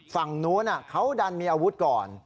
ฝั่งนู้นเขาดันมีอาวุธก่อน